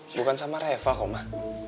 bukan sama reva kok ma